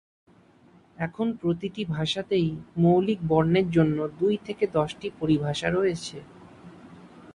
এখন প্রতিটি ভাষাতেই মৌলিক বর্ণের জন্য দুই থেকে দশটি পরিভাষা রয়েছে।